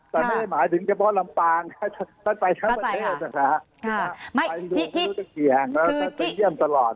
แต่ไม่หมายถึงเฉพาะลำปางมาไปทั้งประเทศจักรศาภายดูจะเกี่ยวแล้วไปเยี่ยมตลอด